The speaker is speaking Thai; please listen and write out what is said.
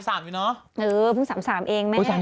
ถ้างั้นหนูต้องมีลูกแล้วนะ